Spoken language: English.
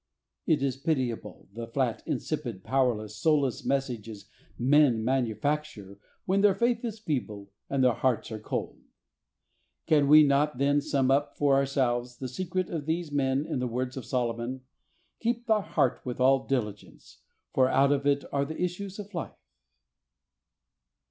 It is pitiable, the flat, insipid, powerless, soulless messages men manufacture when their faith is feeble and their hearts are cold ! "so spake/' 163 Can we not, then, sum up for ourselves the secret of these men in the words of Solomon, "Keep thy heart with all diligence, for out of it are the issues of life?"